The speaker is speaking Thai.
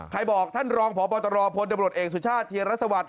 ใครบอกท่านรองพบทรพรดำรวจเองสุชาติเจียยรสวทธ์